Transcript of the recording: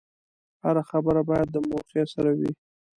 هره خبره باید د موقع سره وي.